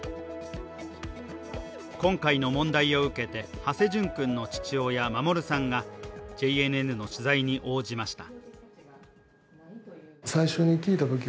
今回の問題を受けて、土師淳君の父親・守さんがＪＮＮの取材に応じました。